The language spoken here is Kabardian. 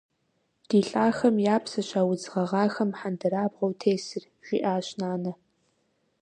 - Ди лӏахэм я псэщ а удз гъэгъахэм хьэндырабгъуэу тесыр, - жиӏащ нанэ.